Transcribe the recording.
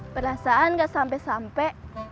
perasaan gak sampe sampe